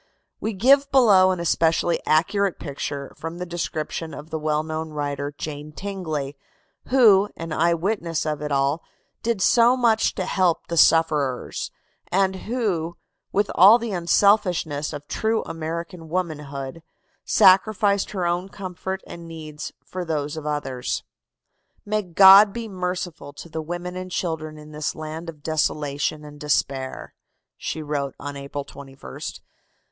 We give below an especially accurate picture from the description of the well known writer, Jane Tingley, who, an eye witness of it all, did so much to help the sufferers, and who, with all the unselfishness of true American womanhood, sacrificed her own comfort and needs for those of others. "May God be merciful to the women and children in this land of desolation and despair!" she wrote on April 21st.